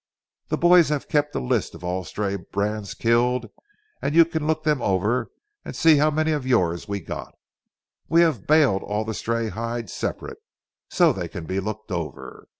The boys have kept a list of all stray brands killed, and you can look them over and see how many of yours we got. We have baled all the stray hides separate, so they can be looked over.